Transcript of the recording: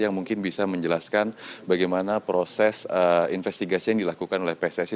yang mungkin bisa menjelaskan bagaimana proses investigasi yang dilakukan oleh pssi